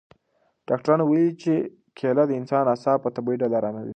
ډاکټرانو ویلي چې کیله د انسان اعصاب په طبیعي ډول اراموي.